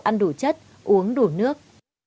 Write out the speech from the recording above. ăn đủ chất uống đủ nước